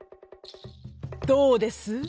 「どうです？